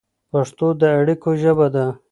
پښتو د اړیکو ژبه ده.